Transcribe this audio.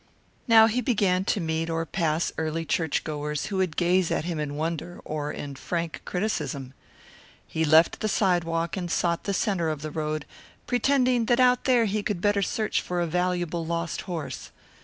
Now he began to meet or pass early churchgoers who would gaze at him in wonder or in frank criticism. He left the sidewalk and sought the centre of the road, pretending that out there he could better search for a valuable lost horse.